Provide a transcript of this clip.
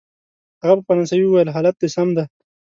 هغه په فرانسوي وویل: حالت دی سم دی؟